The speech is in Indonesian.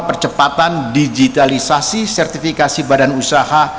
percepatan digitalisasi sertifikasi badan usaha